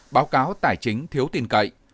báo cáo tài chính thiếu tin cậy